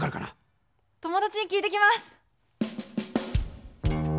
友だちに聞いてきます。